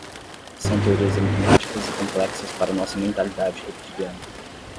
São teorias enigmáticas e complexas para nossa mentalidade reptiliana